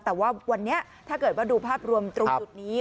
แต่ว่าวันนี้ถ้าเกิดว่าดูภาพรวมตรงจุดนี้